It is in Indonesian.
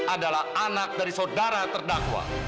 adalah anak dari saudara terdakwa